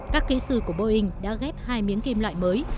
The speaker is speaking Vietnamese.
các kỹ sư của boeing đã ghép hai miếng kim loại mới